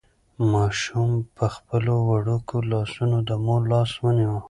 ماشوم په خپلو وړوکو لاسو د مور لاس ونیو.